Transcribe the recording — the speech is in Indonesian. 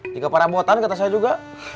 jika para buatan kata saya juga